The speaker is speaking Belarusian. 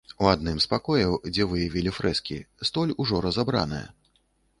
А ў адным з пакояў, дзе выявілі фрэскі, столь ужо разабраная.